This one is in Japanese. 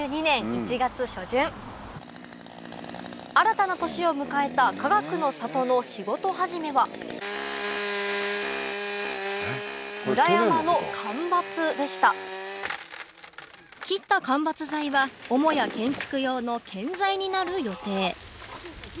新たな年を迎えたかがくの里の仕事始めは切った間伐材は母屋建築用の建材になる予定